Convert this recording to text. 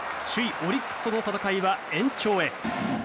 オリックスとの戦いは延長へ。